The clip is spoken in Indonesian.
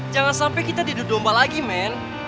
jangan sampai kita didomba lagi men